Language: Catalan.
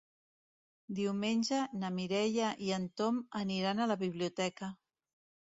Diumenge na Mireia i en Tom aniran a la biblioteca.